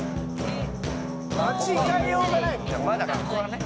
「間違いようがないもんね」